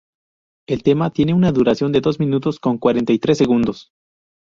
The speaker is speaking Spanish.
El tema tiene una duración de dos minutos con cuarenta y tres segundos.